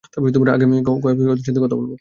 আমি আগামী সপ্তাহে ওদের সাথে কথা বলবো।